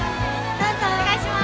どうぞお願いしまー